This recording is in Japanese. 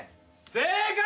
正解！